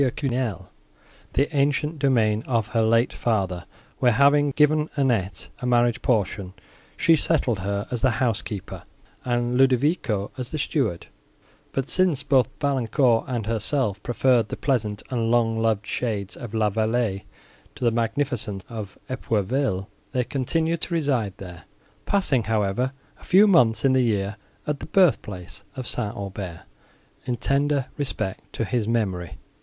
Quesnel the ancient domain of her late father, where, having given Annette a marriage portion, she settled her as the housekeeper, and Ludovico as the steward; but, since both Valancourt and herself preferred the pleasant and long loved shades of La Vallée to the magnificence of Epourville, they continued to reside there, passing, however, a few months in the year at the birth place of St. Aubert, in tender respect to his memory.